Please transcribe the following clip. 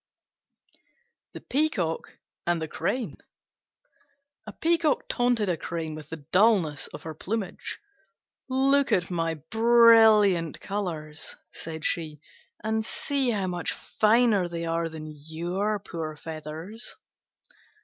THE PEACOCK AND THE CRANE A Peacock taunted a Crane with the dullness of her plumage. "Look at my brilliant colours," said she, "and see how much finer they are than your poor feathers."